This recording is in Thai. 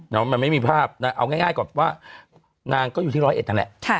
นางก็อยู่ที่ร้อยเอ็ดนะแหละ